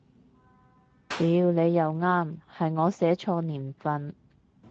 屌你又啱，係我寫錯年份